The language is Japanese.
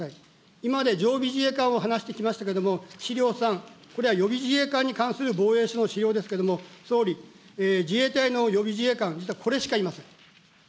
今まで常備自衛官を話してきましたけれども、資料３、これは予備自衛官に関する防衛省の資料ですけれども、総理、自衛隊の予備自衛官、実はこれしかいません。